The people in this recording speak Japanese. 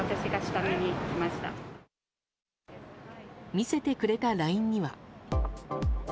見せてくれたＬＩＮＥには。